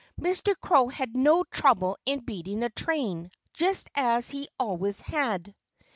Mr. Crow had no trouble in beating the train, just as he always had.